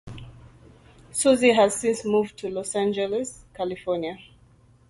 Susy has since moved to Los Angeles, California.